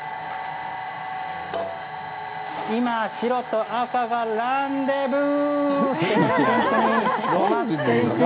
今、白と赤がランデブー。